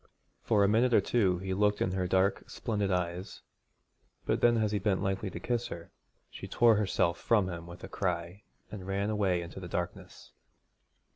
For a minute or two he looked in her dark splendid eyes; but then as he bent lightly to kiss her, she tore herself from him with a cry and ran away into the darkness.